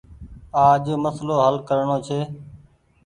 آج مسلو هل ڪرڻو ڇي۔